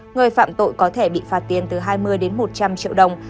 người phạm tội có thể bị phạt tiền từ hai mươi đến một trăm linh triệu đồng